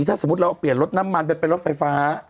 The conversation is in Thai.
ถ้าสมมติเราเปลี่ยนรถน้ำมันไปรถไฟฟ้า